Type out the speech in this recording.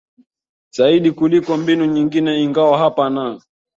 zaidi kuliko mbinu nyingine ingawa hapa na